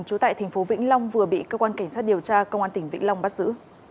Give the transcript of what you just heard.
trú tại thành phố vĩnh long vừa bị cơ quan cảnh sát điều tra công an tỉnh vĩnh long bắt giữ